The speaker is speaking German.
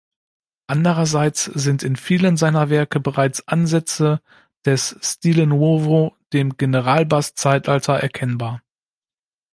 Andererseits sind in vielen seiner Werke bereits Ansätze des „"Stile nuovo"“, dem Generalbass-Zeitalter erkennbar.